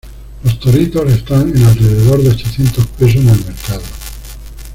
Los toritos están en alrededor de ochocientos pesos en el mercado.